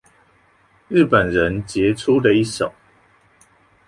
日本人傑出的一手